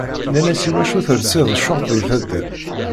Nnan-as iwacu telsiḍ short deg taddart.